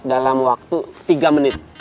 dalam waktu tiga menit